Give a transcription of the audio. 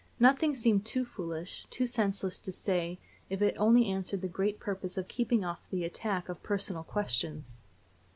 Nothing seemed too foolish, too senseless to say if it only answered the great purpose of keeping off the attack of personal questions.